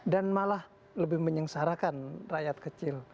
dan malah lebih menyengsarakan rakyat kecil